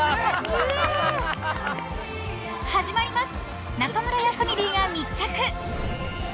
［始まります］